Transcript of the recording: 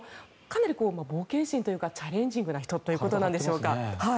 かなり冒険心というかチャレンジングな人ということなんでしょうか。